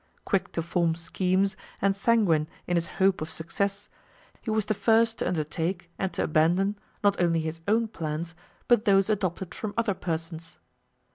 Quick to form schemes, and sanguine in his hope of success, he was the first to undertake, and to abandon, not only his own plans, but those adopted from other persons.